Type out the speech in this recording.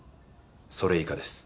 それ以下です。